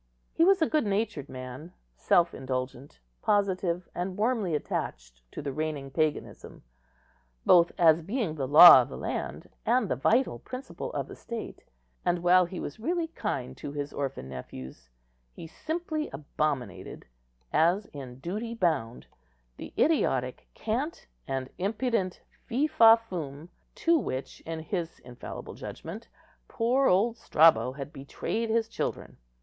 He was a good natured man, self indulgent, positive, and warmly attached to the reigning paganism, both as being the law of the land and the vital principle of the state; and, while he was really kind to his orphan nephews, he simply abominated, as in duty bound, the idiotic cant and impudent fee fa fum, to which, in his infallible judgment, poor old Strabo had betrayed his children.